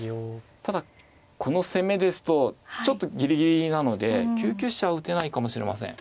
ただこの攻めですとちょっとギリギリなので９九飛車を打てないかもしれません。